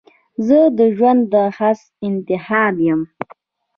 زه دژوند د حسن انتخاب یمه